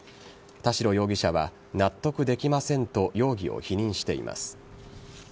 田代容疑者は納得できませんと容疑を否認しています。